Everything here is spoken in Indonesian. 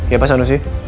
ya pak sanusi